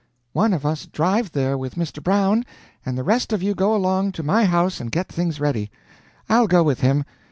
one of us drive there with Mr. Brown, and the rest of you go along to my house and get things ready. I'll go with him.